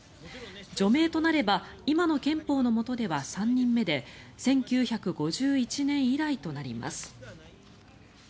除名となれば今の憲法のもとでは３人目で１９５１年以来となります。